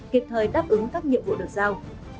kịp thời đáp ứng các nhiệm vụ được giao